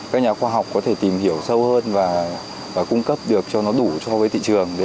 các nhà khoa học có thể tìm hiểu sâu hơn và cung cấp được cho nó đủ so với thị trường